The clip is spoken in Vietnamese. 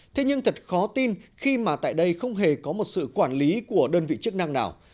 thế nhưng thật khó tin khi mà tại đây không hề có một sự quản lý của đơn vị chức năng nào